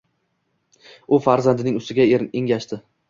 U farzandining ustiga engashdi.